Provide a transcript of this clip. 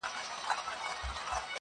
د زړگي شال دي زما پر سر باندي راوغوړوه~